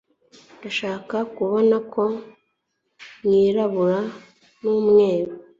Ndashaka kubona ko mwirabura numweru